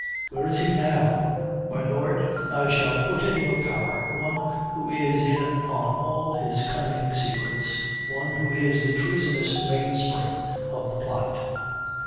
Where is he now?" "My lord, I shall put in your power one who is in all his cunning secrets: one who is the treasonous mainspring of the plot."